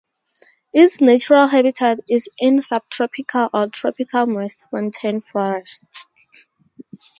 Its natural habitat is in subtropical or tropical moist montane forests.